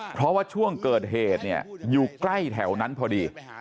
เพราะว่าช่วงเกิดเหตุเนี่ยอยู่ใกล้แถวนั้นพอดี